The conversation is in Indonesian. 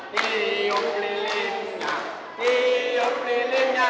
tiup lilinnya tiup lilinnya